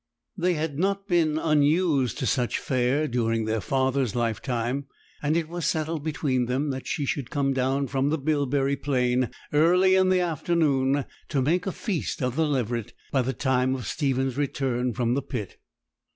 They had not been unused to such fare during their father's lifetime; and it was settled between them that she should come down from the bilberry plain early in the afternoon to make a feast of the leveret by the time of Stephen's return from the pit.